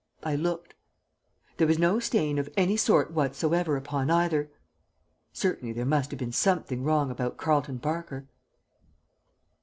I looked. There was no stain of any sort whatsoever upon either! Certainly there must have been something wrong about Carleton Barker.